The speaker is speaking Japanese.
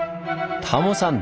タモさん